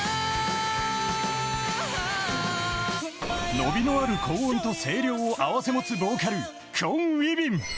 伸びのある高音と青稜を併せ持つボーカル、クォン・ウィビン。